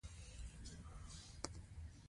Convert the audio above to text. د ګيلمي دسترخوان له يوه کونجه د پاستي ژۍ راوتلې وه.